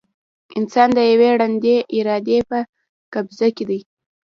انسان د یوې ړندې ارادې په قبضه کې دی.